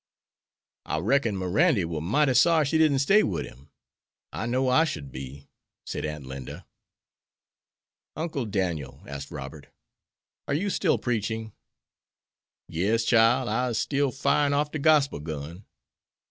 "I reckon Mirandy war mighty sorry she didn't stay wid him. I know I should be," said Aunt Linda. "Uncle Daniel," asked Robert, "are you still preaching?" "Yes, chile, I'se still firing off de Gospel gun."